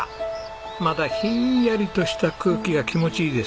まだひんやりとした空気が気持ちいいです。